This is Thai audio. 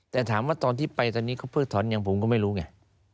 แต่ถามว่าตอนที่ไปตอนนี้เขาเพิกถอนยังผมก็ไม่รู้ไง